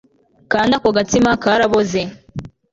kandi ako gatsima karaboze